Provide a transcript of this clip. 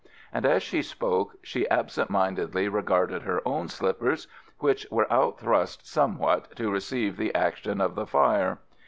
and as she spoke she absent mindedly regarded her own slippers, which were out thrust somewhat to receive the action of the fire.